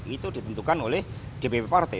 itu ditentukan oleh dpp partai